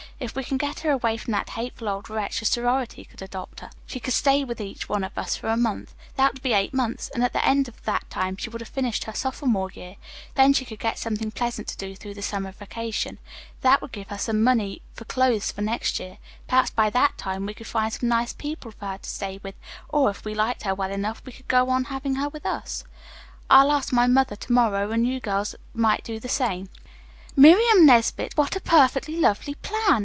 "If we can get her away from that hateful old wretch, the sorority could adopt her. She could stay with each one of us for a month. That would be eight months, and at the end of that time she would have finished her sophomore year. Then she could get something pleasant to do through the summer vacation. That would give her some money for clothes for next year. Perhaps by that time we could find some nice people for her to stay with, or if we liked her well enough, we could go on having her with us. I'll ask my mother to morrow, and you girls might do the same." "Miriam Nesbit, what a perfectly lovely plan!"